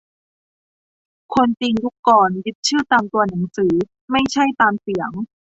คนจีนยุคก่อนยึดชื่อตามตัวหนังสือ ไม่ใช่ตามเสียง